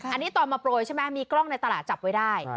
อันนี้ตอนมาโปรยใช่ไหมมีกล้องในตลาดจับไว้ได้